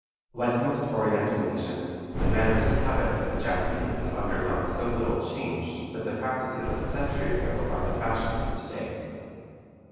Like most Oriental nations, the manners and habits of the Japanese have undergone so little change, that the practices of a century ago are the fashions of to day.